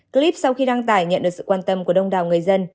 clip sau khi đăng tải nhận được sự quan tâm của đông đảo người dân